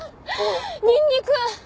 ニンニク！